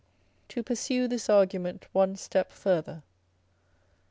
To pursue this argument one step farther.